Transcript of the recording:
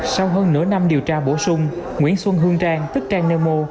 sau hơn nửa năm điều tra bổ sung nguyễn xuân hương trang tức trang nemo